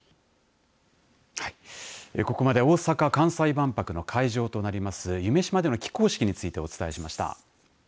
はい、ここまで大阪・関西万博の会場となります夢洲での起工式についてお伝えしました。